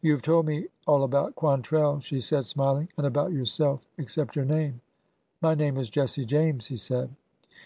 You have told me all about Quantrell," she said, smil ing, and about yourself except your name." My name is Jesse James," he said.